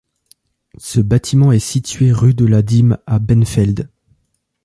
Ce bâtiment est situé rue de la Dîme à Benfeld.